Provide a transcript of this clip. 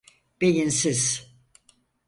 Beyinsiz!